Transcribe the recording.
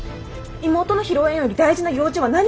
妹の披露宴より大事な用事は何？